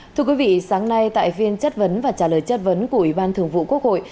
thưa quý vị sáng nay tại phiên chất vấn và trả lời chất vấn của ủy ban thường vụ quốc hội